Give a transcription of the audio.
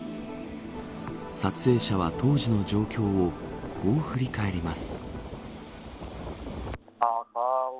撮影者は当時の状況をこう振り返ります。